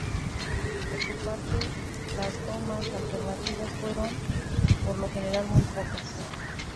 Por su parte, las tomas alternativas fueron, por lo general, muy pocas.